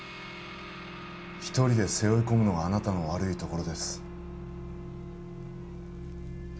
一人で背負い込むのがあなたの悪いところです